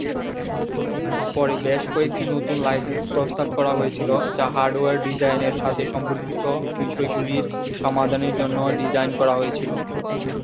পরে, বেশ কয়েকটি নতুন লাইসেন্স প্রস্তাব করা হয়েছিল, যা হার্ডওয়্যার ডিজাইনের সাথে সম্পর্কিত বিষয়গুলির সমাধানের জন্য ডিজাইন করা হয়েছিল।